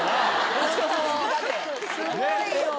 すごいよ。